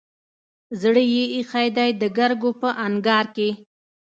زړه يې ايښی دی دګرګو په انګار کې